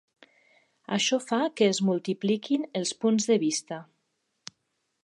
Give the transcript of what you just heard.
Això fa que es multipliquin els punts de vista.